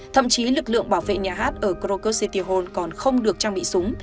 thậm chí lực lượng bảo vệ nhà hát ở krakow city hall còn không được trang bị súng